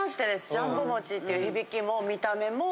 ジャンボ餅っていう響きも見た目も。